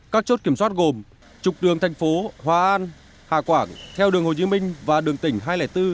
các chốt kiểm soát gồm trục đường thành phố hòa an hà quảng theo đường hồ chí minh và đường tỉnh hai trăm linh bốn hai trăm một mươi sáu